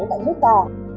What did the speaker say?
tại nước ta